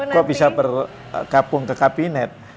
kok bisa bergabung ke kabinet